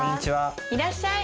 いらっしゃい。